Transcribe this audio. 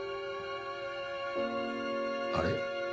あれ？